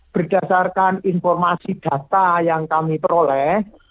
berdasarkan informasi data yang kami peroleh